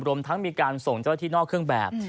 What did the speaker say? รวมทั้งมีการส่งเจ้าหน้าที่นอกเครื่องแบบ